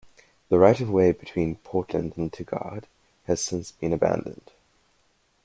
The right-of-way between Portland and Tigard has since been abandoned.